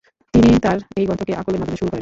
তিনি তার এই গ্রন্থকে আকলের মাধ্যমে শুরু করেন।